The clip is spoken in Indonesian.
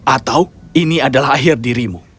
atau ini adalah akhir dirimu